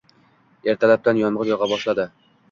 Ertalabdan yomgʻir yogʻa boshladi